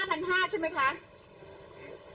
เบื้องต้น๑๕๐๐๐และยังต้องมีค่าสับประโลยีอีกนะครับ